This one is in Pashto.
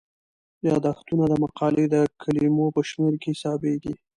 یادښتونه د مقالې د کلمو په شمیر کې حسابيږي.